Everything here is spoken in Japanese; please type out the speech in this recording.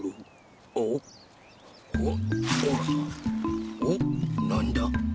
おっ？おっなんだ？